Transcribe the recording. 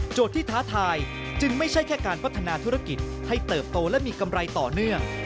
ที่ท้าทายจึงไม่ใช่แค่การพัฒนาธุรกิจให้เติบโตและมีกำไรต่อเนื่อง